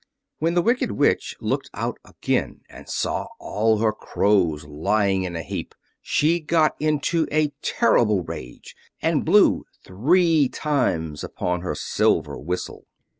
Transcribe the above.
When the Wicked Witch looked out again and saw all her crows lying in a heap, she got into a terrible rage, and blew three times upon her silver whistle.